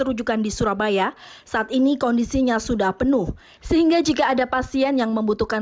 rujukan di surabaya saat ini kondisinya sudah penuh sehingga jika ada pasien yang membutuhkan